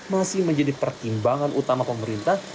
masih menjadi pertimbangan utama pemerintah